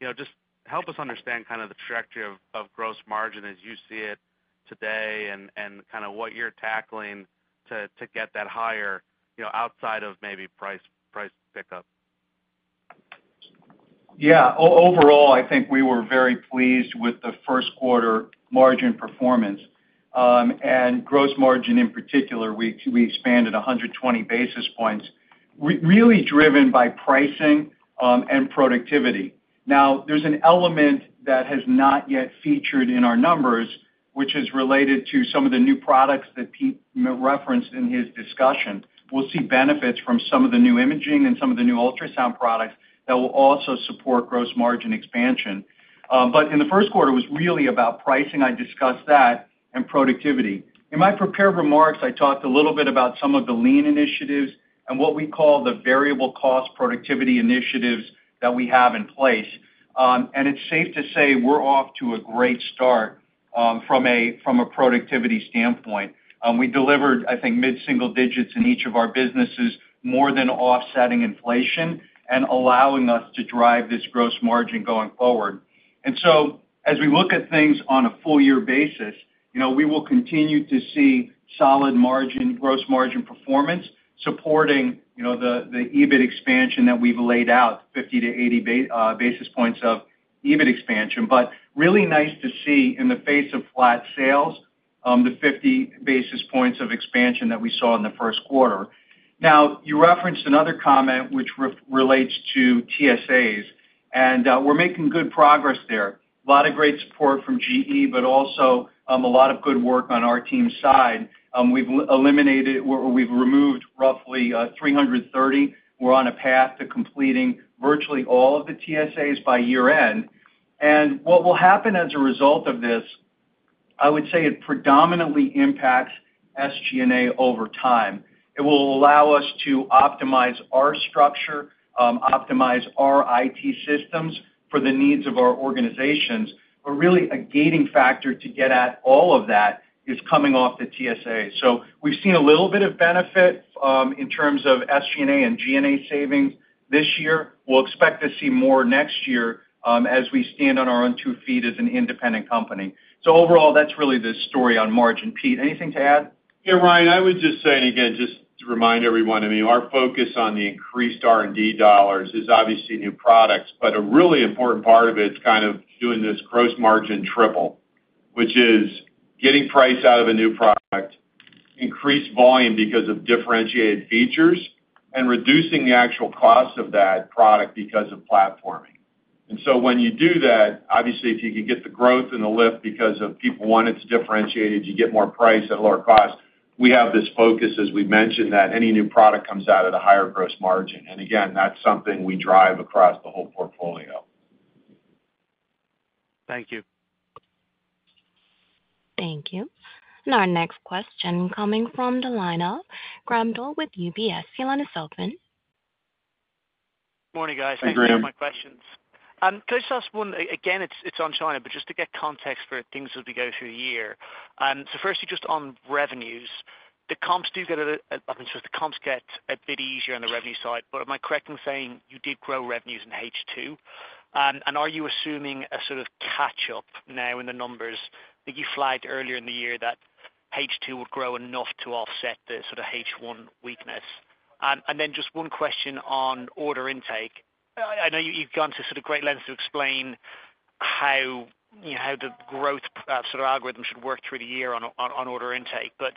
you know, just help us understand kind of the trajectory of gross margin as you see it today and kind of what you're tackling to get that higher, you know, outside of maybe price pickup. Yeah. Overall, I think we were very pleased with the first quarter margin performance, and gross margin in particular, we expanded 120 basis points, really driven by pricing, and productivity. Now, there's an element that has not yet featured in our numbers, which is related to some of the new products that Pete referenced in his discussion. We'll see benefits from some of the new imaging and some of the new ultrasound products that will also support gross margin expansion. But in the first quarter, it was really about pricing, I discussed that, and productivity. In my prepared remarks, I talked a little bit about some of the lean initiatives and what we call the variable cost productivity initiatives that we have in place. And it's safe to say we're off to a great start from a productivity standpoint. We delivered, I think, mid-single digits in each of our businesses, more than offsetting inflation and allowing us to drive this gross margin going forward. And so as we look at things on a full year basis, you know, we will continue to see solid margin, gross margin performance supporting, you know, the EBIT expansion that we've laid out, 50-80 basis points of EBIT expansion. But really nice to see in the face of flat sales, the 50 basis points of expansion that we saw in the first quarter. Now, you referenced another comment which relates to TSAs, and we're making good progress there. A lot of great support from GE, but also, a lot of good work on our team's side. We've eliminated, or we've removed roughly 330. We're on a path to completing virtually all of the TSAs by year-end. And what will happen as a result of this, I would say it predominantly impacts SG&A over time. It will allow us to optimize our structure, optimize our IT systems for the needs of our organizations, but really a gating factor to get at all of that is coming off the TSA. So we've seen a little bit of benefit, in terms of SG&A and G&A savings this year. We'll expect to see more next year, as we stand on our own two feet as an independent company. So overall, that's really the story on margin. Pete, anything to add? Yeah, Ryan, I would just say, and again, just to remind everyone, I mean, our focus on the increased R&D dollars is obviously new products, but a really important part of it is kind of doing this gross margin triple, which is getting price out of a new product, increase volume because of differentiated features, and reducing the actual cost of that product because of platforming. And so when you do that, obviously, if you can get the growth and the lift because of people want it's differentiated, you get more price at a lower cost.... we have this focus, as we've mentioned, that any new product comes out at a higher gross margin. And again, that's something we drive across the whole portfolio. Thank you. Thank you. And our next question coming from the line of Graham Doyle with UBS. Your line is open? Morning, guys. Hey, Graham. Thank you for my questions. Can I just ask one, again, it's on China, but just to get context for things as we go through the year. So firstly, just on revenues, the comps do get a, I mean, so the comps get a bit easier on the revenue side, but am I correct in saying you did grow revenues in H2? And are you assuming a sort of catch up now in the numbers that you flagged earlier in the year that H2 would grow enough to offset the sort of H1 weakness? And then just one question on order intake. I know you've gone to sort of great lengths to explain how, you know, how the growth, sort of algorithm should work through the year on, on order intake. But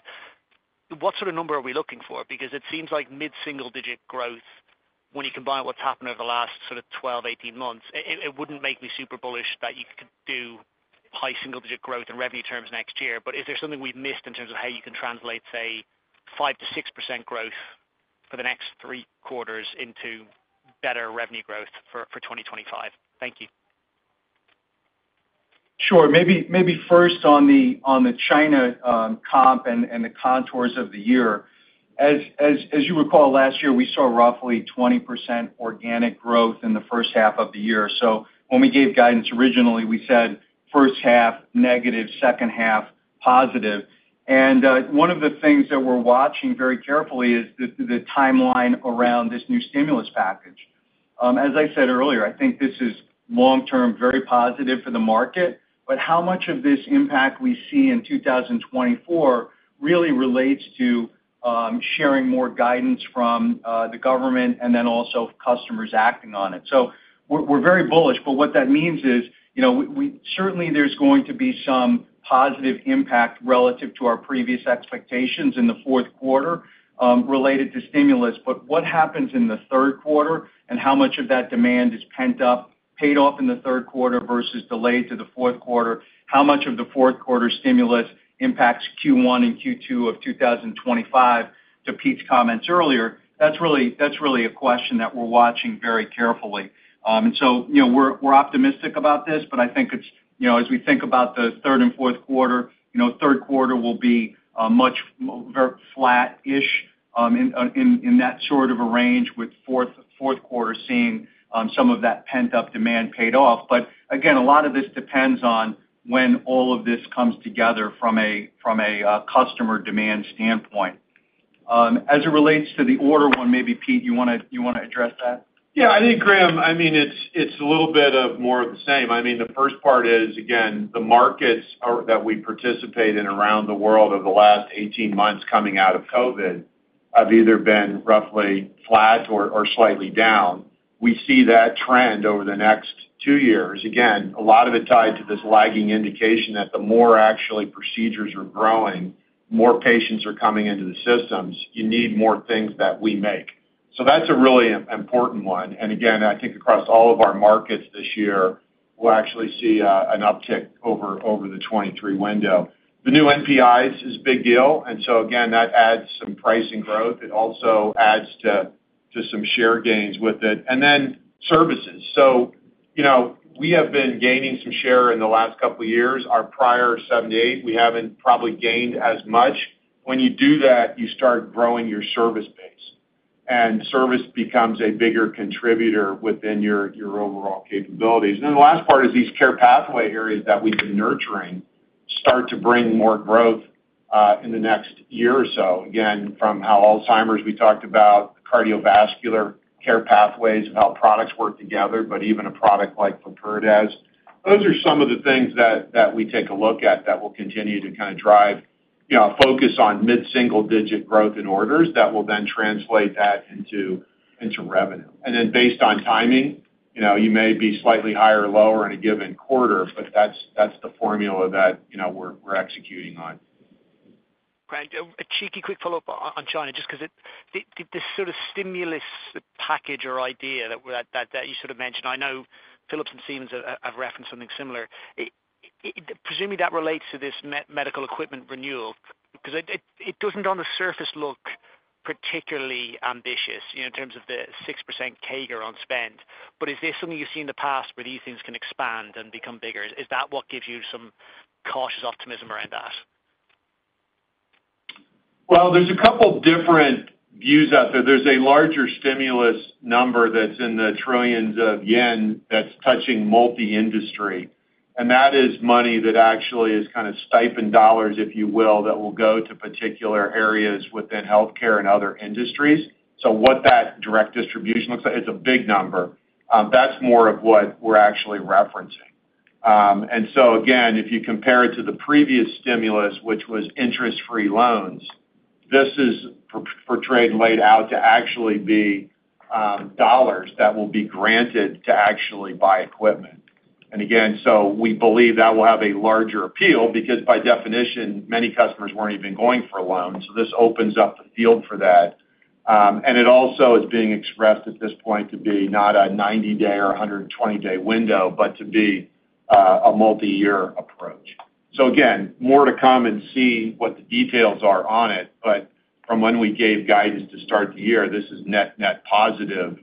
what sort of number are we looking for? Because it seems like mid-single-digit growth when you combine what's happened over the last sort of 12, 18 months, it wouldn't make me super bullish that you could do high single-digit growth in revenue terms next year. But is there something we've missed in terms of how you can translate, say, 5%-6% growth for the next 3 quarters into better revenue growth for 2025? Thank you. Sure. Maybe first on the China comp and the contours of the year. As you recall, last year, we saw roughly 20% organic growth in the first half of the year. So when we gave guidance, originally, we said first half, negative, second half, positive. And one of the things that we're watching very carefully is the timeline around this new stimulus package. As I said earlier, I think this is long-term, very positive for the market, but how much of this impact we see in 2024 really relates to sharing more guidance from the government and then also customers acting on it. So we're very bullish, but what that means is, you know, certainly there's going to be some positive impact relative to our previous expectations in the fourth quarter, related to stimulus. But what happens in the third quarter and how much of that demand is pent up, paid off in the third quarter versus delayed to the fourth quarter? How much of the fourth quarter stimulus impacts Q1 and Q2 of 2025, to Pete's comments earlier, that's really a question that we're watching very carefully. And so, you know, we're optimistic about this, but I think it's, you know, as we think about the third and fourth quarter, you know, third quarter will be very flattish in that sort of a range, with fourth quarter seeing some of that pent up demand paid off. But again, a lot of this depends on when all of this comes together from a customer demand standpoint. As it relates to the order one, maybe, Pete, you want to address that? Yeah, I think, Graham, I mean, it's, it's a little bit of more of the same. I mean, the first part is, again, the markets are that we participate in around the world over the last 18 months coming out of COVID, have either been roughly flat or, or slightly down. We see that trend over the next two years. Again, a lot of it tied to this lagging indication that the more actually procedures are growing, more patients are coming into the systems, you need more things that we make. So that's a really important one. And again, I think across all of our markets this year, we'll actually see an uptick over, over the 2023 window. The new NPIs is a big deal, and so again, that adds some pricing growth. It also adds to, to some share gains with it. And then services. So, you know, we have been gaining some share in the last couple of years. Our prior 7 to 8, we haven't probably gained as much. When you do that, you start growing your service base, and service becomes a bigger contributor within your, your overall capabilities. And then the last part is these care pathway areas that we've been nurturing start to bring more growth in the next year or so. Again, from how Alzheimer's, we talked about cardiovascular care pathways and how products work together, but even a product like Lipherdes. Those are some of the things that, that we take a look at that will continue to kind of drive, you know, a focus on mid-single digit growth in orders that will then translate that into, into revenue. And then based on timing, you know, you may be slightly higher or lower in a given quarter, but that's the formula that, you know, we're executing on. Great. A cheeky quick follow-up on China, just because this sort of stimulus package or idea that you sort of mentioned, I know Philips and Siemens have referenced something similar. Presumably, that relates to this medical equipment renewal, because it doesn't, on the surface, look particularly ambitious, you know, in terms of the 6% CAGR on spend. But is this something you've seen in the past where these things can expand and become bigger? Is that what gives you some cautious optimism around that? Well, there's a couple different views out there. There's a larger stimulus number that's in the trillions of JPY that's touching multi-industry, and that is money that actually is kind of stipend dollars, if you will, that will go to particular areas within healthcare and other industries. So what that direct distribution looks like, it's a big number. That's more of what we're actually referencing. And so again, if you compare it to the previous stimulus, which was interest-free loans, this is portrayed and laid out to actually be dollars that will be granted to actually buy equipment. And again, so we believe that will have a larger appeal, because by definition, many customers weren't even going for a loan, so this opens up the field for that. And it also is being expressed at this point to be not a 90-day or a 120-day window, but to be a multi-year approach. So again, more to come and see what the details are on it, but from when we gave guidance to start the year, this is net-net positive,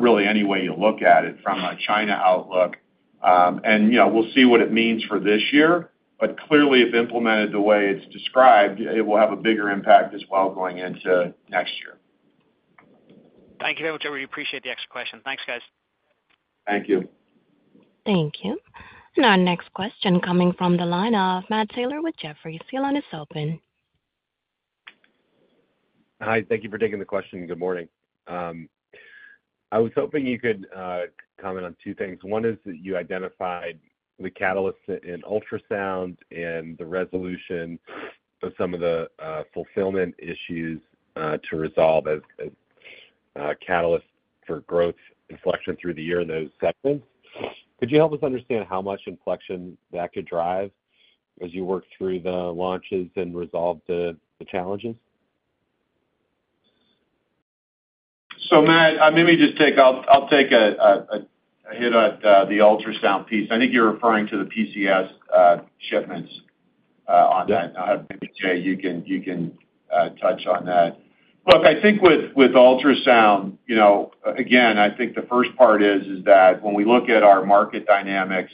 really any way you look at it from a China outlook. And, you know, we'll see what it means for this year, but clearly, if implemented the way it's described, it will have a bigger impact as well, going into next year. Thank you very much, I really appreciate the extra question. Thanks, guys. Thank you. Thank you. And our next question coming from the line of Matt Taylor with Jefferies. Your line is open. Hi, thank you for taking the question. Good morning. I was hoping you could comment on two things. One is that you identified the catalyst in ultrasound and the resolution of some of the fulfillment issues to resolve as a catalyst for growth inflection through the year in those segments. Could you help us understand how much inflection that could drive as you work through the launches and resolve the challenges? So, Matt, let me just take... I'll take a hit at the ultrasound piece. I think you're referring to the PCS shipments on that. Yeah. Maybe, Jay, you can touch on that. Look, I think with ultrasound, you know, again, I think the first part is that when we look at our market dynamics,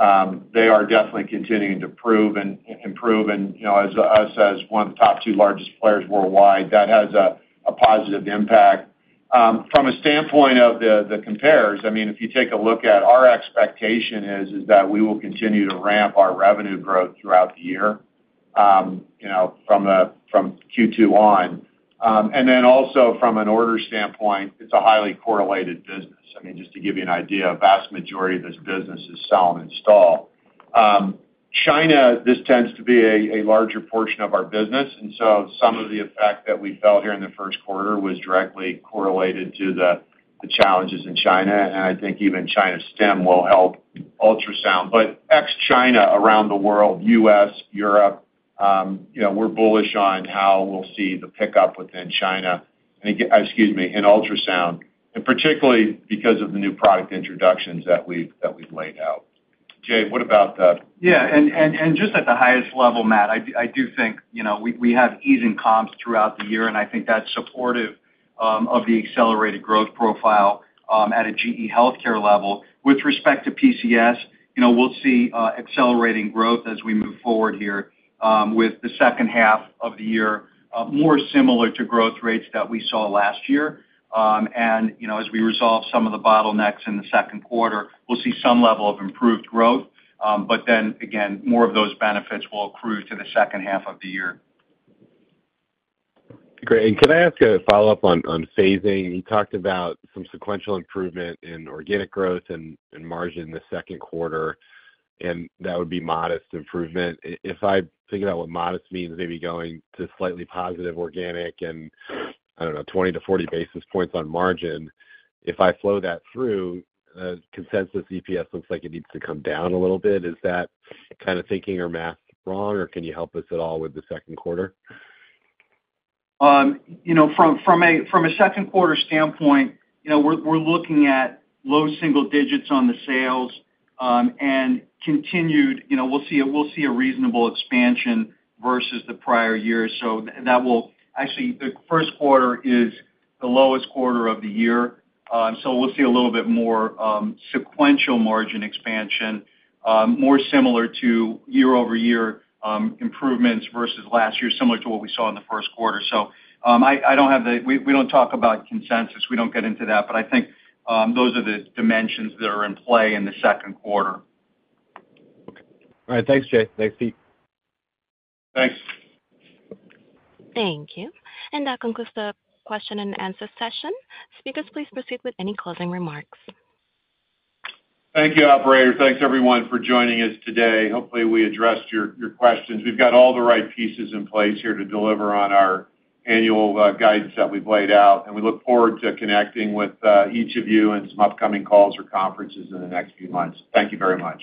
they are definitely continuing to prove and improve, and, you know, as one of the top two largest players worldwide, that has a positive impact. From a standpoint of the comparables, I mean, if you take a look at our expectation is that we will continue to ramp our revenue growth throughout the year, you know, from Q2 on. And then also, from an order standpoint, it's a highly correlated business. I mean, just to give you an idea, a vast majority of this business is sell and install. China, this tends to be a larger portion of our business, and so some of the effect that we felt here in the first quarter was directly correlated to the challenges in China, and I think even China's stimulus will help ultrasound. But ex-China, around the world, U.S., Europe, you know, we're bullish on how we'll see the pickup within China. And again - excuse me, in ultrasound, and particularly because of the new product introductions that we've laid out. Jay, what about the- Yeah, and just at the highest level, Matt, I do think, you know, we have easing comps throughout the year, and I think that's supportive of the accelerated growth profile at a GE HealthCare level. With respect to PCS, you know, we'll see accelerating growth as we move forward here with the second half of the year, more similar to growth rates that we saw last year. And, you know, as we resolve some of the bottlenecks in the second quarter, we'll see some level of improved growth. But then again, more of those benefits will accrue to the second half of the year. Great. And can I ask a follow-up on phasing? You talked about some sequential improvement in organic growth and margin in the second quarter, and that would be modest improvement. If I think about what modest means, maybe going to slightly positive organic and, I don't know, 20-40 basis points on margin. If I flow that through, consensus EPS looks like it needs to come down a little bit. Is that kind of thinking or math wrong, or can you help us at all with the second quarter? You know, from a second quarter standpoint, you know, we're looking at low single digits on the sales, and continued... You know, we'll see a reasonable expansion versus the prior year. So that will-- Actually, the first quarter is the lowest quarter of the year, so we'll see a little bit more sequential margin expansion, more similar to year-over-year improvements versus last year, similar to what we saw in the first quarter. So, I don't have the... We don't talk about consensus. We don't get into that, but I think those are the dimensions that are in play in the second quarter. Okay. All right. Thanks, Jay. Thanks, Pete. Thanks. Thank you. That concludes the question and answer session. Speakers, please proceed with any closing remarks. Thank you, operator. Thanks, everyone, for joining us today. Hopefully, we addressed your, your questions. We've got all the right pieces in place here to deliver on our annual guidance that we've laid out, and we look forward to connecting with each of you in some upcoming calls or conferences in the next few months. Thank you very much.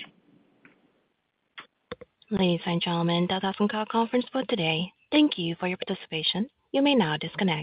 Ladies and gentlemen, that's our conference call today. Thank you for your participation. You may now disconnect.